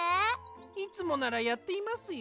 いつもならやっていますよ。